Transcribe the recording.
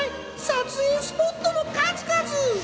撮影スポットの数々！